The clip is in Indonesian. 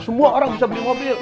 semua orang bisa beli mobil